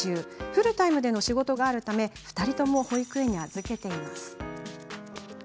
フルタイムでの仕事があるため２人とも保育園に預けています。